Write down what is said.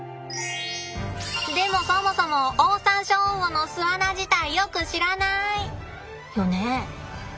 でもそもそもオオサンショウウオの巣穴自体よく知らない！よね？